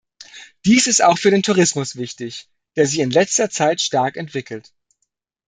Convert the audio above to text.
Dies ist auch für den Tourismus wichtig, der sich in letzter Zeit stark entwickelt.